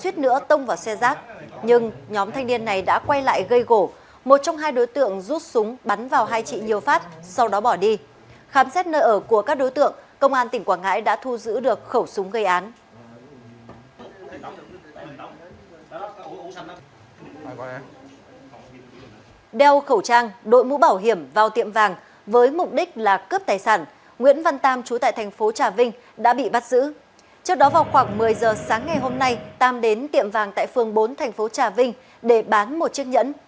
trước đó vào khoảng một mươi giờ sáng ngày hôm nay tam đến tiệm vàng tại phường bốn thành phố trà vinh để bán một chiếc nhẫn